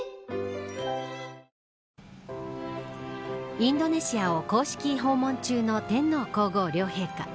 インドネシアを公式訪問中の天皇皇后両陛下。